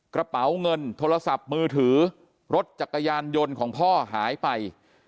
กระเป๋าเงินโทรศัพท์มือถือรถจักรยานยนต์ของพ่อหายไป